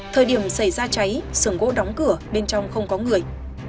thời điểm xảy ra cháy sườn gỗ đóng cửa bên trong không có người